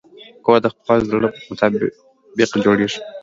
کور د خپل زړه مطابق جوړېږي.